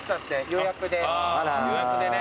予約でね。